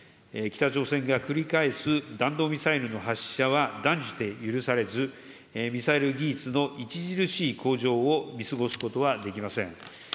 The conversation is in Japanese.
北朝鮮が繰り返す弾道ミサイルの発射は断じて許されず、ミサイル技術の著しい向上を見過ごすことはできません。